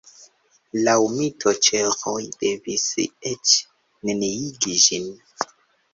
Laŭ mito ĉeĥoj devis eĉ neniigi ĝin.